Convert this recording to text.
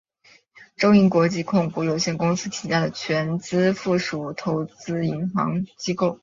中银国际控股有限公司旗下的全资附属投资银行机构。